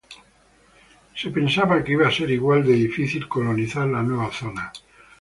Se pensaba que iba a ser igual de difícil colonizar la nueva zona.